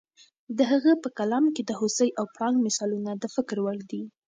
د هغه په کلام کې د هوسۍ او پړانګ مثالونه د فکر وړ دي.